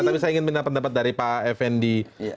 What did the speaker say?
tapi saya ingin minta pendapat dari pak effendi